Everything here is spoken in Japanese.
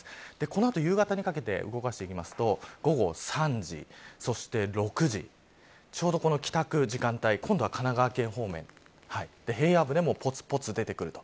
この後夕方にかけて動かしてみますと午後３時、そして６時ちょうど帰宅時間帯今度は神奈川県方面平野部でもぽつぽつ出てくると。